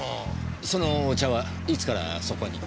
そのお茶はいつからそこに？